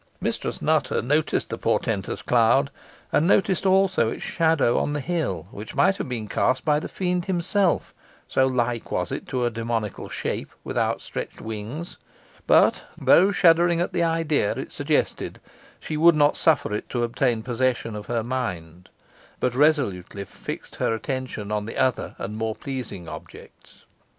Mistress Nutter noticed the portentous cloud, and noticed also its shadow on the hill, which might have been cast by the Fiend himself, so like was it to a demoniacal shape with outstretched wings; but, though shuddering at the idea it suggested, she would not suffer it to obtain possession of her mind, but resolutely fixed her attention on other and more pleasing objects.